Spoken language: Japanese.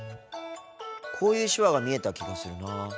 こういう手話が見えた気がするなぁ。